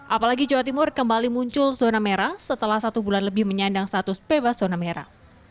apalagi jawa timur kembali muncul zona merah setelah satu bulan lebih menyandang status bebas zona merah